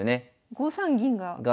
５三銀が。